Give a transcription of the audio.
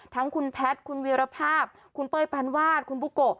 ทั้งคุณแพทย์คุณวีรภาพคุณเป้ยปานวาดคุณบุโกะ